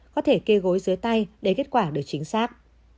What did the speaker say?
có thể kê gối dưới tay để kết quả được chính xác